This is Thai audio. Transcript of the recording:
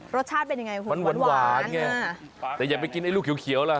รสชาติเป็นอย่างไรหวานอย่างนี้มันหวานแต่อย่าไปกินไอ้ลูกเขียวล่ะ